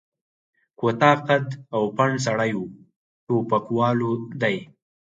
کوتاه قد او پنډ سړی و، ټوپکوالو دی.